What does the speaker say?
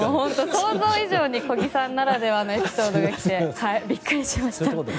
想像以上に小木さんならではのエピソードが聞けて、びっくりしました。